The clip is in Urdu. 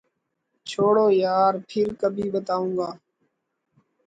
چھوڑو یار ، پھر کبھی بتاؤں گا۔